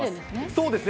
そうですね。